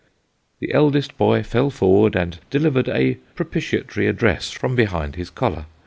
The eldest boy fell forward, and delivered a propitiatory address from behind his collar.